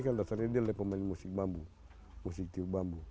kan dasarnya dari pemain musik bambu musik tiup bambu